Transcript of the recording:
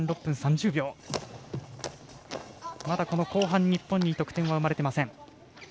まだ後半日本に得点は生まれていません。